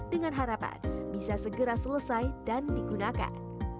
dengan harapan bisa segera selesai dan digunakan